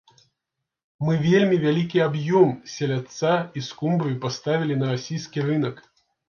Мы вельмі вялікі аб'ём селядца і скумбрыі паставілі на расійскі рынак.